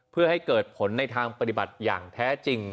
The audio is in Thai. เพื่อให้เกิดผลในทางปฏิบัติอย่างแท้จริง